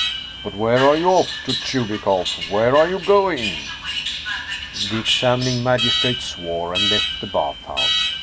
But where are you off to, Chubikoff? Where are you going?" The examining magistrate swore, and left the bath house.